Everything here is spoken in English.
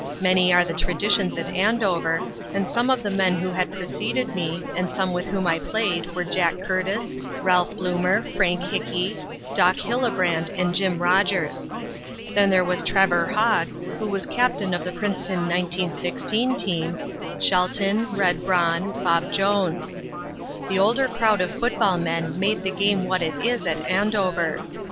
Many are the traditions at Andover, and some of the men who had preceded me, and some with whom I played were Jack Curtis, Ralph Bloomer, Frank Hinkey, Doc Hillebrand and Jim Rodgers. Then there was Trevor Hogg, who was captain of the Princeton 1916 team, Shelton, Red Braun, Bob Jones. The older crowd of football men made the game what it is at Andover.